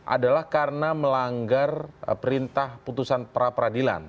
adalah karena melanggar perintah putusan pra peradilan